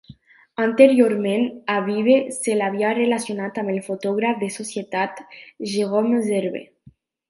Anteriorment, a Beebe se l'havia relacionat amb el fotògraf de societat Jerome Zerbe.